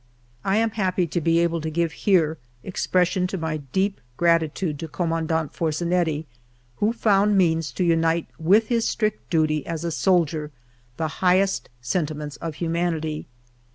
I am happy to be able to give here expression to my deep gratitude to Commandant Forzi netti, who found means to unite with his strict duty as a soldier the highest sentiments of humanity.